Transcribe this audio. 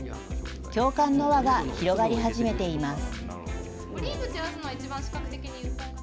共感の輪が広がり始めています。